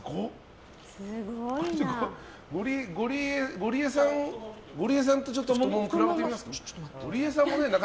ゴリエさんとちょっと比べてみますか。